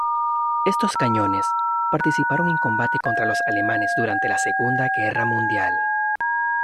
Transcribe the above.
Estos cañones, participaron en combate contra los alemanes durante la Segunda Guerra Mundial.